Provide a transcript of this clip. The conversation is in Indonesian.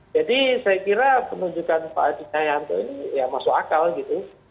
jadi saya kira penunjukan pak haji jayahanto ini ya masuk akal gitu